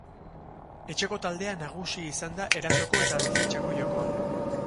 Etxeko taldea nagusi izan da erasoko eta defentsako jokoan.